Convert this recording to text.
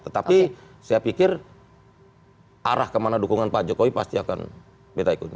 tetapi saya pikir arah kemana dukungan pak jokowi pasti akan kita ikuti